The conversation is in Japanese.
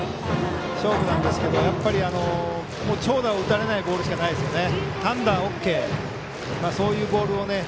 勝負なんですけどやっぱり長打を打たれないボールしかないですよね。